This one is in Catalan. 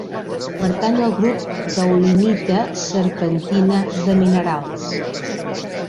Pertany al grup caolinita-serpentina de minerals.